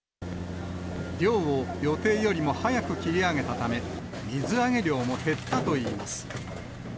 漁を予定よりも早く切り上げたため、水揚げ量も減ったといいます。